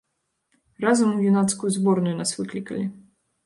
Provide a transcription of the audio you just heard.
Разам у юнацкую зборную нас выклікалі.